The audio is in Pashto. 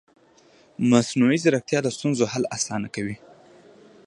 مصنوعي ځیرکتیا د ستونزو حل اسانه کوي.